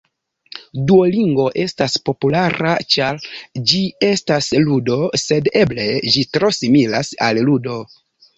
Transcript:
Duolingo estas populara ĉar ĝi estas ludo, sed eble ĝi tro similas al ludo.